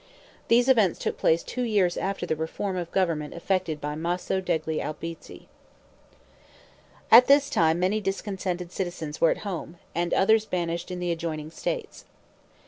These events took place two years after the reform of government effected by Maso degli Albizzi. At this time many discontented citizens were at home, and others banished in the adjoining states.